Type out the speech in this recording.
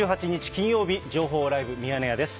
金曜日、情報ライブミヤネ屋です。